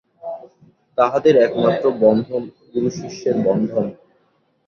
তাঁহাদের একমাত্র বন্ধন গুরুশিষ্যের বন্ধন।